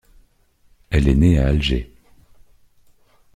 Elle est née à Alger.